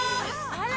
あら！